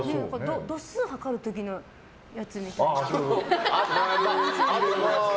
度数測る時のやつみたいな。